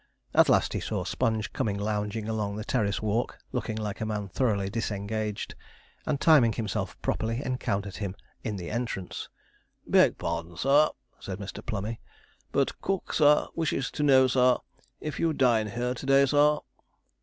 At last he saw Sponge coming lounging along the terrace walk, looking like a man thoroughly disengaged, and, timing himself properly, encountered him in the entrance. 'Beg pardon, sir,' said Mr. Plummey, 'but cook, sir, wishes to know, sir, if you dine here to day, sir?'